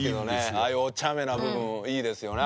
ああいうおちゃめな部分いいですよね